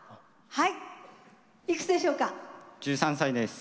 はい。